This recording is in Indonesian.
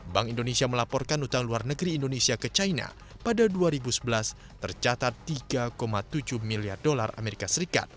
bank indonesia melaporkan utang luar negeri indonesia ke china pada dua ribu sebelas tercatat tiga tujuh miliar dolar as